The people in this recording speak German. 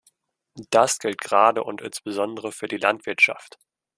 Das gilt gerade und insbesondere für die Landwirtschaft.